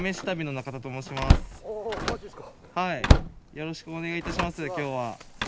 よろしくお願いいたします今日は。